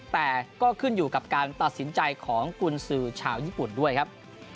แต่ก็ขึ้นอยู่กับการตัดสินใจของกุญสือชาวญี่ปุ่นด้วยครับ